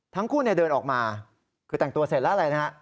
ทั้งคู่เนี่ยเดินออกมาคือแต่งตัวเสร็จแล้วอะไรนะฮะ